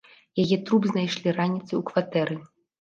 Яе труп знайшлі раніцай у кватэры.